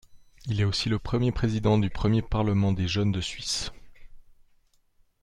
Il est aussi le premier Président du premier Parlement des Jeunes de Suisse.